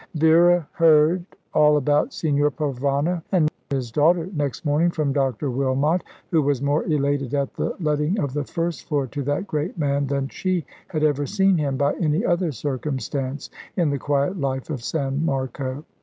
Vera heard all about Signor Provana, and his daughter, next morning from Dr. Wilmot, who was more elated at the letting of the first floor to that great man than she had ever seen him by any other circumstance in the quiet life of San Marco.